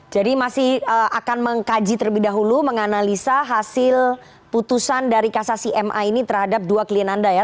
jadi masih akan mengkaji terlebih dahulu menganalisa hasil putusan dari kasasi ma ini terhadap dua klien anda ya